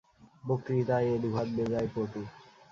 বক্তৃতায় এ দু-জাত বেজায় পটু।